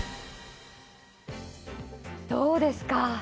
どうですか。